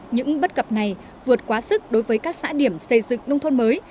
những bất cập này vượt quá sức đối với các xã điểm xây dựng nông thôn mới